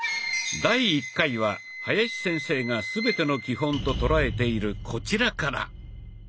第１回は林先生が全ての基本と捉えているこちらから。